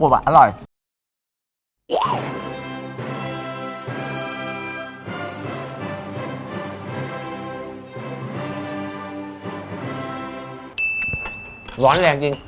ร้อนแรงจริง